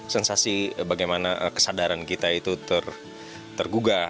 sensasi bagaimana kesadaran kita itu tergugah